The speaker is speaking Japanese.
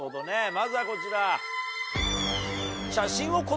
まずはこちら。